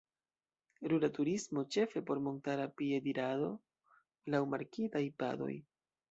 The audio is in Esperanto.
Rura turismo ĉefe por montara piedirado laŭ markitaj padoj.